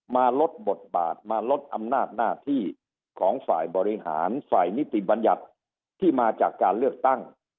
มาลดบทบาทมาลดอำนาจหน้าที่ของฝ่ายบริหารฝ่ายนิติบัญญัติที่มาจากการเลือกตั้ง